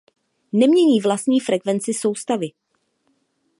Nemění vlastní frekvenci soustavy.